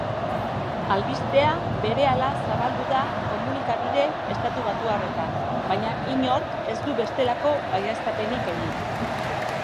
Albistea berehala zabaldu da komunikabide estatubatuarretan baina inork ez du bestelako baieztapenik egin.